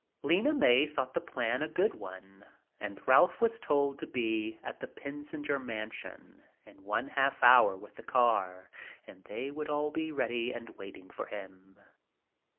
Lena May thought the plan a good one and Ralph was told to be at the Pensinger mansion in one half hour with the car and they would all be ready and waiting for him.